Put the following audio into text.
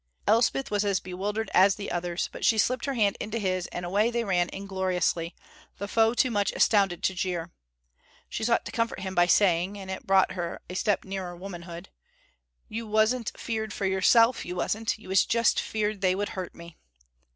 Elspeth was as bewildered as the others, but she slipped her hand into his and away they ran ingloriously, the foe too much astounded to jeer. She sought to comfort him by saying (and it brought her a step nearer womanhood), "You wasn't feared for yourself, you wasn't; you was just feared they would hurt me."